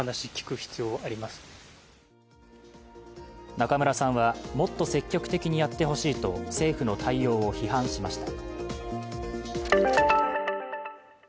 中村さんは、もっと積極的にやってほしいと政府の対応を批判しました。